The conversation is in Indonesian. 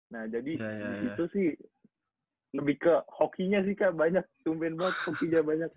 nah jadi itu sih lebih ke hokinya sih kak banyak tumben banget hokinya banyak